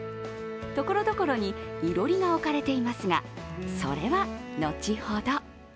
ところどころにいろりが置かれていますがそれは後ほど。